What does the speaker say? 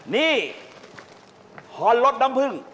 นี่หอนรสน้ำเพิ่ง